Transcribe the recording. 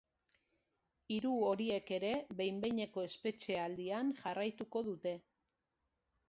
Hiru horiek ere behin-behineko espetxealdian jarraituko dute.